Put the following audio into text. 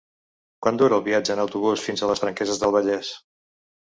Quant dura el viatge en autobús fins a les Franqueses del Vallès?